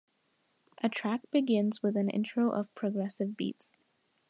A track begins with an intro of progressive beats.